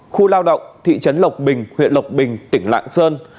khu lao động thị trấn lộc bình huyện lộc bình tỉnh lạng sơn